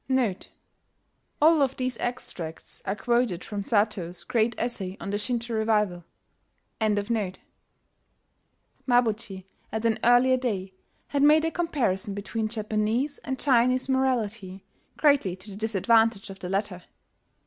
"*... [*All of these extracts are quoted from Satow's great essay on the Shinto revival.] Mabuchi, at an earlier day, had made a comparison between Japanese and Chinese morality, greatly to the disadvantage of the latter.